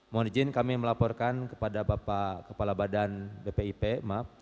mohon izin kami melaporkan kepada bapak kepala badan bpip maaf